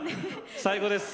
最高です。